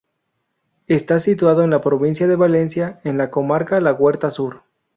Está situado en la provincia de Valencia, en la comarca la Huerta Sur.